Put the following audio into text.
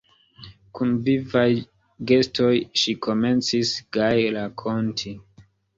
Kun vivaj gestoj ŝi komencis gaje rakonti: